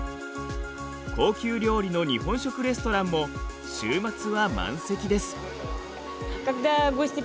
高級料理の日本食レストランも週末は満席です。